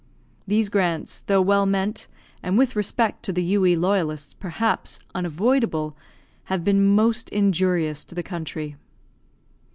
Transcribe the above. These grants, though well meant, and with respect to the U.E. Loyalists, perhaps, unavoidable, have been most injurious to the country.